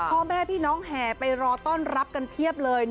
พ่อแม่พี่น้องแห่ไปรอต้อนรับกันเพียบเลย